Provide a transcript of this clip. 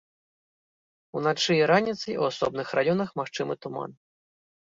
Уначы і раніцай у асобных раёнах магчымы туман.